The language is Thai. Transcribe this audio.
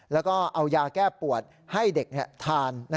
แล้วก็เอายาแก้ปวดให้เด็กทาน